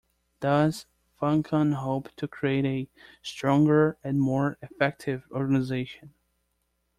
Thus Funcom hope to create a stronger and more effective organization.